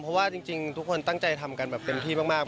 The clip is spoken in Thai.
เพราะว่าจริงทุกคนตั้งใจทำกันแบบเต็มที่มาก